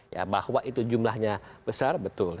ya bahwa itu jumlahnya besar betul